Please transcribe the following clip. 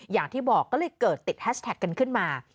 อย่างที่บอกก็เลยเกิดติดแฮชแท็กกันขึ้นมา